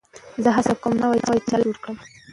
زه هڅه کوم نوی چلند جوړ کړم.